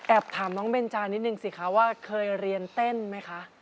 ถามน้องเบนจานิดนึงสิคะว่าเคยเรียนเต้นไหมคะ